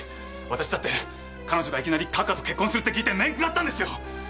私だって彼女がいきなり閣下と結婚するって聞いて面食らったんですよ！